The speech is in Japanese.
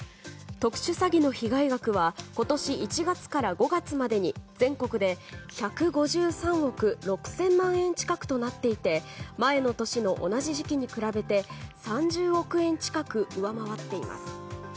特殊詐欺の被害額は今年１月から５月までに全国で１５３億６０００万円近くとなっていて前の年の同じ時期に比べて３０億円近く上回っています。